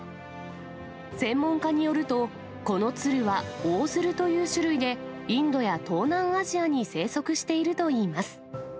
専門家によると、この鶴はオオヅルという種類で、インドや東南アジアに生息しているといいます。